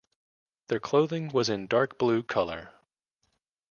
Their clothing was in dark-blue colour.